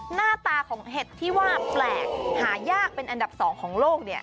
หน้าตาของเห็ดที่ว่าแปลกหายากเป็นอันดับ๒ของโลก